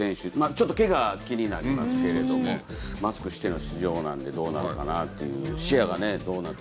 ちょっとけがが気になりますけれどもマスクしての出場なのでどうなのかなと。